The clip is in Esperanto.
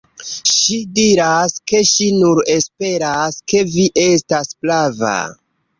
Ŝi diras, ke ŝi nur esperas, ke vi estas prava.